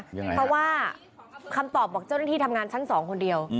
เพราะว่าคำตอบบอกเจ้าหน้าที่ทำงานชั้น๒คนเดียว